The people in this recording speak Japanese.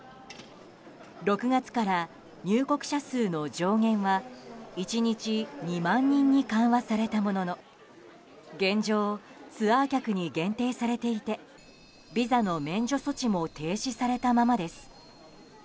６月から入国者数の上限は１日２万人に緩和されたものの現状、ツアー客に限定されていてビザの免除措置も停止されたままです。